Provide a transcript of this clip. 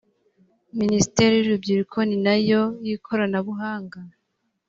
minisiteri y ‘urubyiruko ninayo y’ ikoranabuhanga .